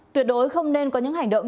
tuyệt đối không nên có những hành động